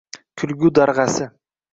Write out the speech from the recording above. Kulgu darg‘asi